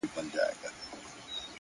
علم د انسان ظرفیت لوړوي.